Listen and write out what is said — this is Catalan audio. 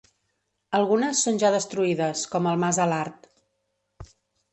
Algunes són ja destruïdes, com el Mas Alart.